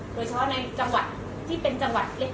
โดยเฉพาะในจังหวัดที่เป็นจังหวัดเล็ก